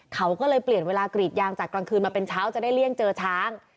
เขาก็เลยเปลี่ยนเวลากรีดยางจากกลางคืนมาเป็นเช้าจะได้เลี่ยงเจอช้าง